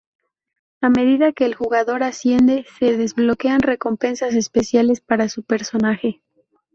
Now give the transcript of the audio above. A medida que el jugador asciende, se desbloquean recompensas especiales para su personaje.